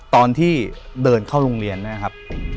ตอนที่เดินเข้าโรงเรียนนะครับผม